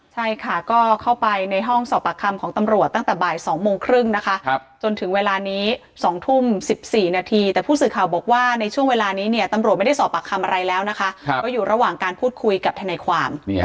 ใช่ค่ะก็เข้าไปในห้องสอบปากคำของตำรวจตั้งแต่บ่าย๒โมงครึ่งนะคะจนถึงเวลานี้๒ทุ่ม๑๔นาทีแต่ผู้สื่อข่าวบอกว่าในช่วงเวลานี้เนี่ยตำรวจไม่ได้สอบปากคำอะไรแล้วนะคะก็อยู่ระหว่างการพูดคุยกับทนายความ